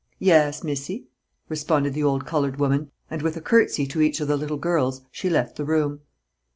"Yas, Missy," responded the old colored woman, and with a curtsey to each of the little girls she left the room.